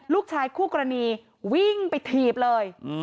ลูกชายคู่กรณีวิ่งไปถีบเลย